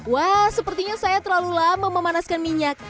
wah sepertinya saya terlalu lama memanaskan minyak